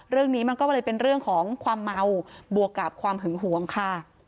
เรื่องนี้มันก็เลยเป็นเรื่องของความเมาบวกกับความหึงหวงค่ะ